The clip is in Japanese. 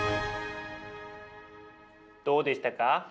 どうでしたか？